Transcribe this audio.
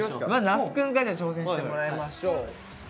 那須くんから挑戦してもらいましょう。